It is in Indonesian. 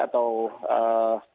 atau juga kemas kondisi